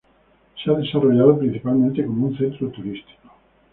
Se ha desarrollado principalmente como un centro turístico.